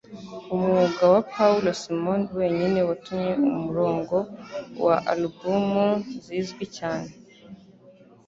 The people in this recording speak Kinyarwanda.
Umwuga wa Paul Simon wenyine watumye umurongo wa alubumu zizwi cyane